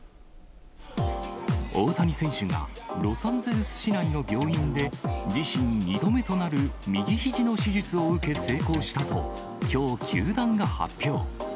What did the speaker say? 大谷選手が、ロサンゼルス市内の病院で、自身２度目となる右ひじの手術を受け、成功したと、きょう、球団が発表。